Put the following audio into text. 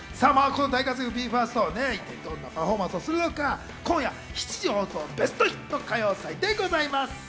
大活躍のＢＥ：ＦＩＲＳＴ、どんなパフォーマンスをするのか、今夜７時放送『ベストヒット歌謡祭』でございます。